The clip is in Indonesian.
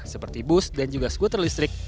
seperti bus dan juga skuter listrik